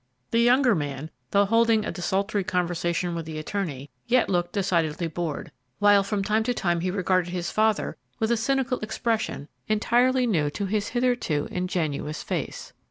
The younger man, though holding a desultory conversation with the attorney, yet looked decidedly bored, while from time to time he regarded his father with a cynical expression entirely new to his hitherto ingenuous face.